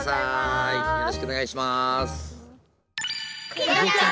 よろしくお願いします。